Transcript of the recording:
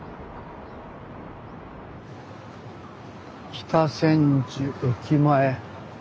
北千住駅前。